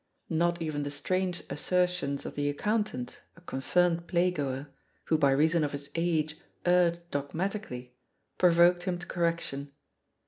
Not even the strange assertions of the accountant, a confirmed playgoer, who by reason of his age erred dogmatically, provoked him to correction.